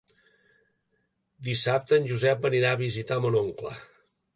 Dissabte en Josep anirà a visitar mon oncle.